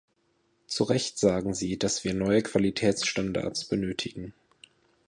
Zu Recht sagen Sie, dass wir neue Qualitätsstandards benötigen.